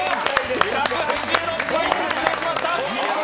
１８６杯達成しました！